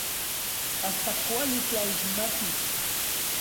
Asta kuali tlaixmatis.